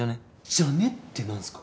じゃねって何すか？